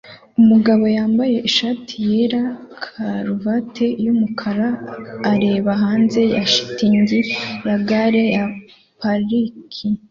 Umugabo wambaye ishati yera karuvati yumukara areba hanze ya shitingi ya garage yaparika